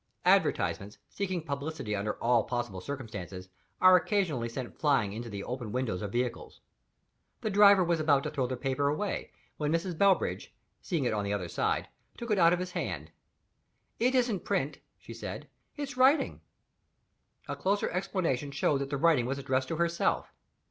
Advertisements, seeking publicity under all possible circumstances, are occasionally sent flying into the open windows of vehicles. The driver was about to throw the paper away, when Mrs. Bellbridge (seeing it on the other side) took it out of his hand. "It isn't print," she said; "it's writing." A closer examination showed that the writing was addressed to herself.